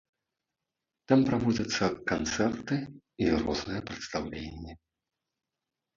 Там праводзяцца канцэрты і розныя прадстаўленні.